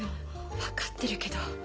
分かってるけど。